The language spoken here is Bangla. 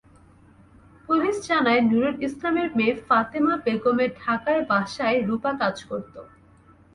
পুলিশ জানায়, নুরুল ইসলামের মেয়ে ফাতেমা বেগমের ঢাকার বাসায় রূপা কাজ করত।